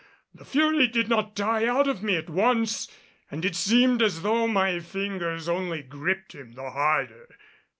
The fury did not die out of me at once and it seemed as though my fingers only gripped him the harder.